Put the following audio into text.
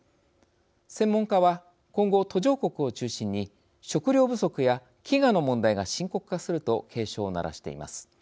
専門家は、今後、途上国を中心に食料不足や飢餓の問題が深刻化すると警鐘を鳴らしています。